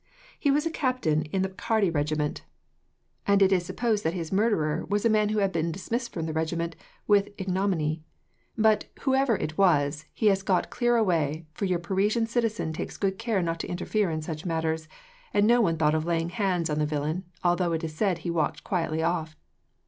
He was a captain in the Picardy regiment, and it was supposed that his murderer was a man who had been dismissed from the regiment with ignominy. But, whoever it was, he has got clear away, for your Parisian citizen takes good care not to interfere in such matters, and no one thought of laying hands on the villain, although it is said he walked quietly off.